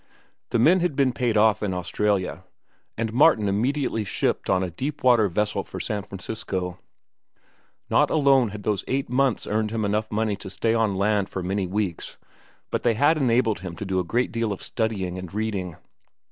The men had been paid off in Australia, and Martin had immediately shipped on a deep water vessel for San Francisco. Not alone had those eight months earned him enough money to stay on land for many weeks, but they had enabled him to do a great deal of studying and reading.